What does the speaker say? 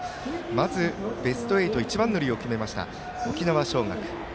まず、ベスト８一番乗りを決めました沖縄尚学。